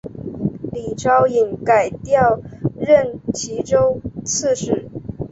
李朝隐改调任岐州刺史。